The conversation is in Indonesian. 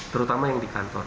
terutama yang di kantor